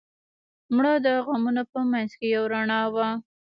مړه د غمونو په منځ کې یو رڼا وه